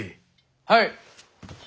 はい。